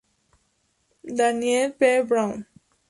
Daniel P. Brown.